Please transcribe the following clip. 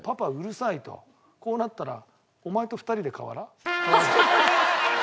こうなったらお前と２人で河原？